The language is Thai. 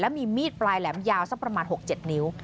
มีมีดปลายแหลมยาวสักประมาณ๖๗นิ้ว